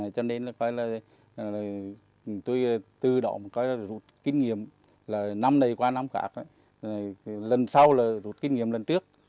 cho nên tôi tự động rút kinh nghiệm năm này qua năm khác lần sau rút kinh nghiệm lần trước